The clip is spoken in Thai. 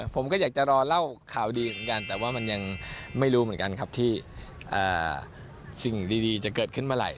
ผมก็อยากจะรอเล่าข่าวดีเหมือนกันแต่ว่ามันยังไม่รู้เหมือนกันครับที่สิ่งดีจะเกิดขึ้นเมื่อไหร่